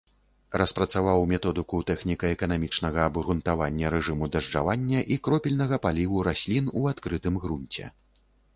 Распрацаваў методыку тэхніка-эканамічнага абгрунтавання рэжыму дажджавання і кропельнага паліву раслін у адкрытым грунце.